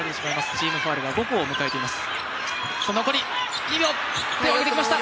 チームファウルが５個を迎えています。